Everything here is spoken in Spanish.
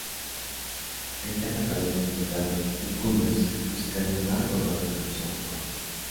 En esta campaña se presentaron sus cuñas musicales más recordadas como son: "Oye!